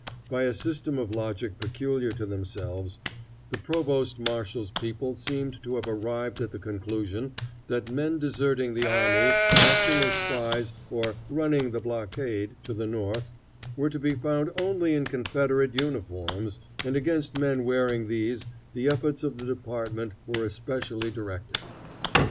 By a system of logic peculiar to themselves, the provost marshal's people seem to have arrived at the conclusion that men deserting the army, acting as spies, or "running the blockade" to the North, were to be found only in Confederate uniforms, and against men wearing these the efforts of the department were especially directed.